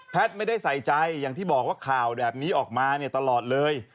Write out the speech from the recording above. ไม่ได้ใส่ใจอย่างที่บอกว่าข่าวแบบนี้ออกมาเนี่ยตลอดเลย